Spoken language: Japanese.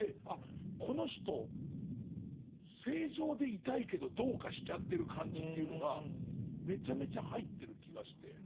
あっこの人正常でいたいけどどうかしちゃってる感じというのがめちゃめちゃ入ってる気がして。